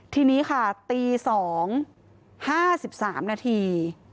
ทีนี้ค่ะตี๒๕๓นาที